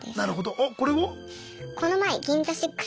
おっこれは？